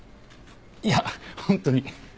いやホントに。